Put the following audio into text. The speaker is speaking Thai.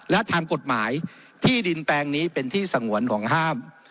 และทางกฎหมายที่ดินแปลงนี้เป็นที่สงวนของห้าม